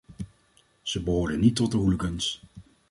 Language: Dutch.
Ze behoorden niet tot de hooligans!